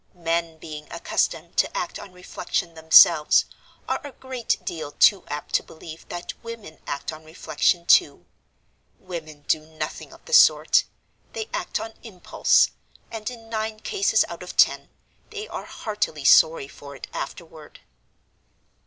Men, being accustomed to act on reflection themselves, are a great deal too apt to believe that women act on reflection, too. Women do nothing of the sort. They act on impulse; and, in nine cases out of ten, they are heartily sorry for it afterward.